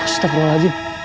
masih tak perlu lagi